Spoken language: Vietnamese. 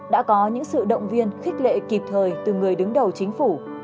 đã có những sự động viên khích lệ kịp thời từ người đứng đầu chính phủ